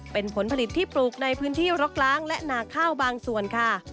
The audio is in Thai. เป็นผลผลิตที่ปลูกในพื้นที่รกล้างและหนาข้าวบางส่วนค่ะ